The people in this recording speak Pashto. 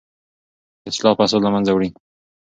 اصلاح فساد له منځه وړي.